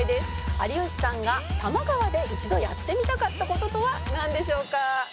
「有吉さんが多摩川で一度やってみたかった事とはなんでしょうか？」